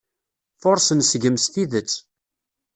Furṣen seg-m s tidet.